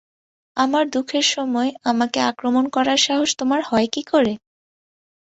আমার দুঃখের সময় আমাকে আক্রমণ করার সাহস তোমার হয় কী করে!